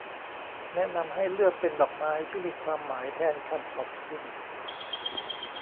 แนะนำให้เลือกเป็นดอกไม้ที่มีความหมายแทนคำขอบคุณ